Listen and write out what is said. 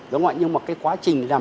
đúng không ạ